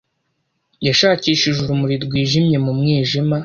Yashakishije urumuri rwijimye mu mwijima.